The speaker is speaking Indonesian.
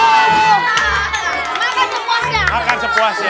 kita makan sepuasnya